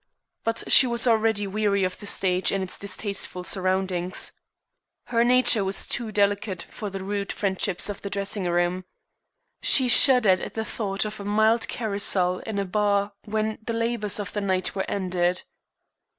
But she was already weary of the stage and its distasteful surroundings. Her nature was too delicate for the rude friendships of the dressing room. She shuddered at the thought of a mild carousal in a bar when the labors of the night were ended.